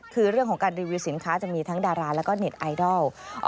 คือเรื่องของการรีวิวสินค้าจะมีทั้งดาราแล้วก็เน็ตไอดอล